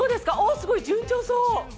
すごい、順調です。